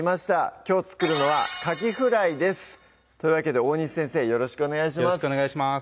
きょう作るのは「かきフライ」ですというわけで大西先生よろしくお願いします